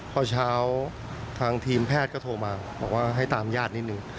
พอเช้าทางทีมแพทย์ก็โทรมาบอกว่าให้ตามญาตินิดนึง